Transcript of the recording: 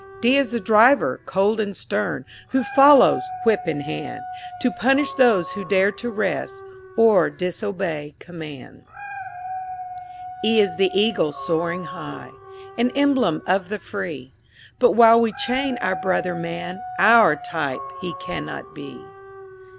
D is the Driver, cold and stern, Who follows, whip in hand, To punish those who dare to rest, Or disobey command. E is the Eagle, soaring high; An emblem of the free; But while we chain our brother man, Our type he cannot be.